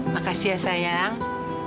makasih ya sayang